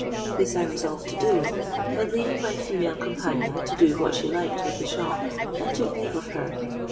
This I resolved to do; and, leaving my female companion to do what she liked with the shop, I took leave of her.